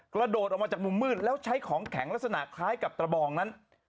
กระโดดออกมาจากมุมมืดแล้วใช้ของแข็งลักษณะคล้ายกับกระบองนั้น